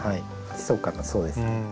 ひそかなそうですね。